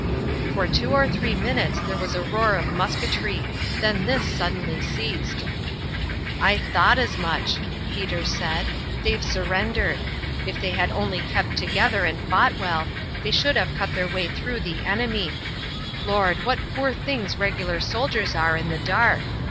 For two or three minutes there was a roar of musketry; then this suddenly ceased. "I thought as much," Peter said. "They've surrendered. If they had only kept together and fought well, they should have cut their way through the enemy. Lord! what poor things regular soldiers are in the dark!